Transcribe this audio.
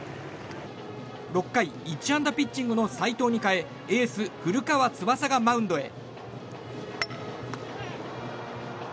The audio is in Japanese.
６回１安打ピッチングの斎藤に代えエース、古川翼がマウンドへ。